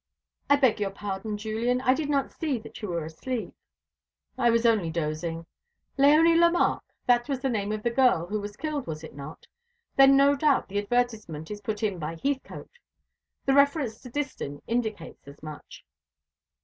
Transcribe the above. "I beg your pardon, Julian. I did not see that you were asleep." "I was only dozing. Léonie Lemarque! that was the name of the girl who was killed, was it not? Then no doubt the advertisement is put in by Heathcote. The reference to Distin indicates as much."